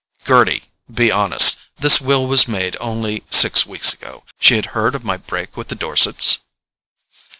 "Gerty, be honest: this will was made only six weeks ago. She had heard of my break with the Dorsets?"